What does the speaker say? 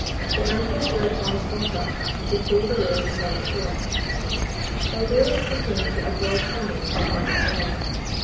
The anchors were at once got up, and they pulled away along shore. By daylight they came to a broad channel some miles wide.